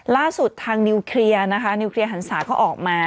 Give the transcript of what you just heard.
ล่าสุดทางนิวเคลียร์นะคะนิวเคลียร์หันศาก็ออกมา